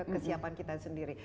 kesiapan kita sendiri